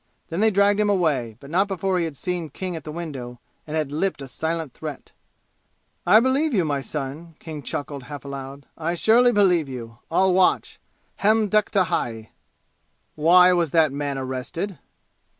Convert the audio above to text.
Then they dragged him away; but not before he had seen King at the window, and had lipped a silent threat. "I believe you, my son!" King chuckled, half aloud. "I surely believe you! I'll watch! Ham dekta hai!" "Why was that man arrested?"